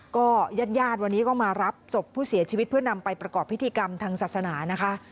ก็ญาติญาติวันนี้ก็มารับศพผู้เสียชีวิตเพื่อนำไปประกอบพิธีกรรมทางศาสนานะคะ